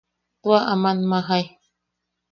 Tua, aman majae.